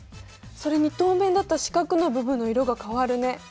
それに透明になった四角の部分の色が変わるね。